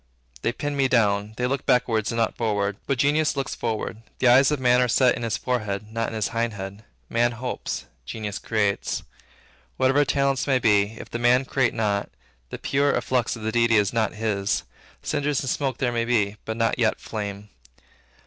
They pin me down. They look backward and not forward. But genius looks forward: the eyes of man are set in his forehead, not in his hindhead: man hopes: genius creates. Whatever talents may be, if the man create not, the pure efflux of the Deity is not his; cinders and smoke there may be, but not yet flame.